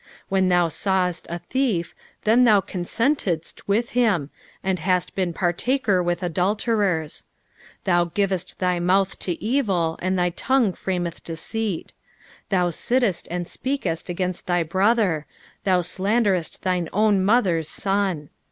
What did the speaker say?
18 When thou sawest a thief, then thou consentedst with him, and hast been partaker with adulterers. 19 Thou givest thy mouth to evil, and thy tongue frameth deceit. 20 Thou sittest and speakest against thy brother ; thou slanderest thine own mother's son.